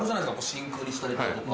真空にしたりだとか？